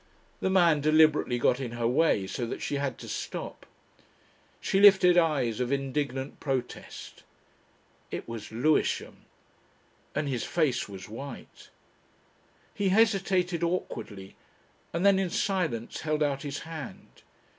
The man deliberately got in her way so that she had to stop. She lifted eyes of indignant protest. It was Lewisham and his face was white. He hesitated awkwardly, and then in silence held out his hand.